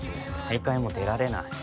大会も出られない。